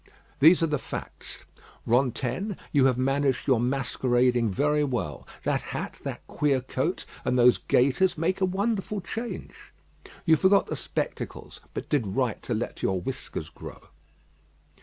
These are the facts. Rantaine, you have managed your masquerading very well. That hat that queer coat and those gaiters make a wonderful change. You forgot the spectacles; but did right to let your whiskers grow."